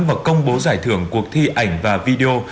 và công bố giải thưởng cuộc thi ảnh và video